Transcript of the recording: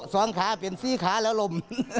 สองขาเปลี่ยนซีขาแล้วลม